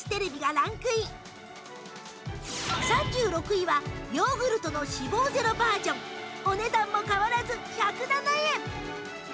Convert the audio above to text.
３６位はヨーグルトの脂肪０バージョンお値段も変わらず１０７円